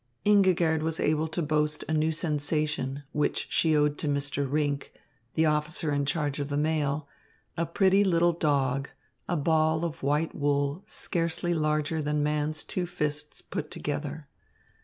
Ingigerd was able to boast a new sensation, which she owed to Mr. Rinck, the officer in charge of the mail, a pretty little dog, a ball of white wool, scarcely larger than a man's two fists put together.